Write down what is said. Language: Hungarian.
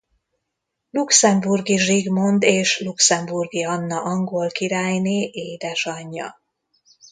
Luxemburgi Zsigmond és Luxemburgi Anna angol királyné édesanyja.